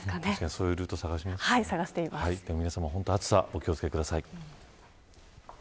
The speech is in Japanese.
そういうルートを皆さんも暑さお気を付けください。